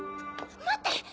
待って！